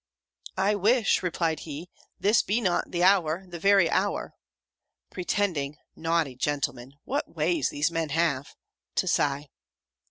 "I wish," replied he, "this be not the hour, the very hour!" pretending (naughty gentleman! What ways these men have!) to sigh.